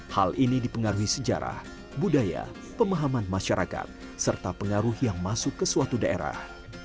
hal ini dipengaruhi sejarah budaya pemahaman masyarakat serta pengaruh yang masuk ke suatu daerah